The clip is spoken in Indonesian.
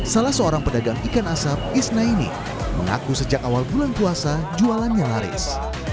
salah seorang pedagang ikan asap isnaini mengaku sejak awal bulan puasa jualannya laris